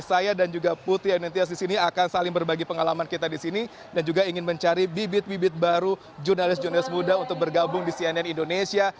saya dan juga putri anentias di sini akan saling berbagi pengalaman kita di sini dan juga ingin mencari bibit bibit baru jurnalis jurnalis muda untuk bergabung di cnn indonesia